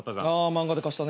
漫画で貸したね。